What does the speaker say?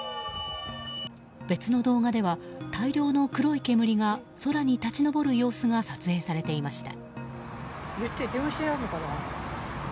別の動画では、大量の黒い煙が空に立ち上る様子が撮影されていました。